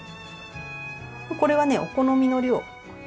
これはねお好みの量。